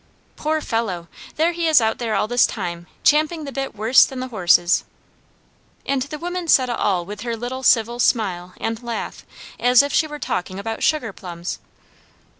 Poor fellow! there he is out there all this time, champing the bit worse than the horses." And the woman said it all with her little civil smile and laugh, as if she were talking about sugar plums!